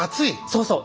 そうそう！